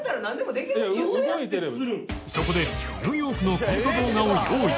そこでニューヨークのコント動画を用意